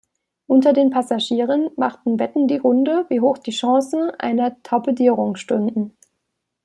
Unter den Passagieren machten Wetten die Runde, wie hoch die Chancen einer Torpedierung stünden.